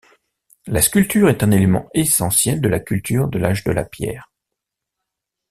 La sculpture est un élément essentiel de la culture de l'âge de la pierre.